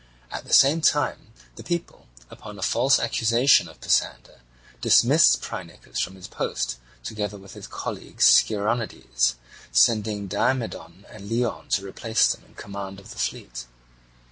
At the same time the people, upon a false accusation of Pisander, dismissed Phrynichus from his post together with his colleague Scironides, sending Diomedon and Leon to replace them in the command of the fleet.